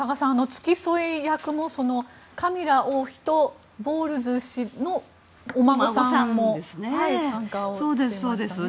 付き添い役もカミラ王妃とボウルズ氏のお孫さんも参加していましたね。